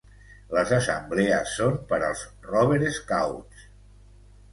Les assemblees són per als Rover Scouts.